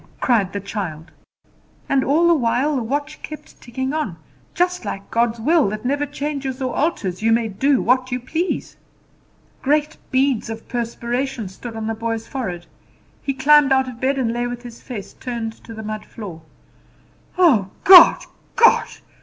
cried the child. And all the while the watch kept ticking on; just like God's will, that never changes or alters, you may do what you please. Great beads of perspiration stood on the boy's forehead. He climbed out of bed and lay with his face turned to the mud floor. "Oh, God, God!